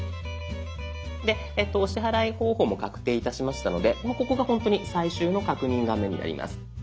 でお支払い方法も確定いたしましたのでもうここがほんとに最終の確認画面になります。